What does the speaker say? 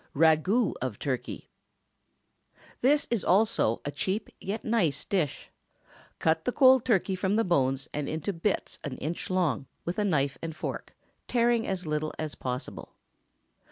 RAGOÛT OF TURKEY. This is also a cheap, yet nice dish. Cut the cold turkey from the bones and into bits an inch long with knife and fork, tearing as little as possible.